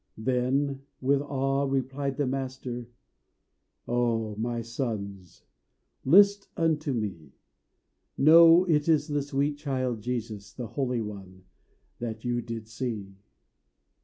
Then with awe replied their master "O my sons, list unto me! Know it is the sweet Child Jesus The Holy One, that you did see!